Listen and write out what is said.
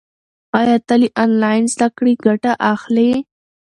آیا ته له انلاین زده کړې ګټه اخلې؟